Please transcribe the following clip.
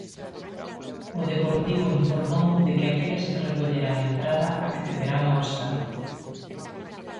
O Deportivo informou de que aqueles que recolleran a entrada accederán ao estadio.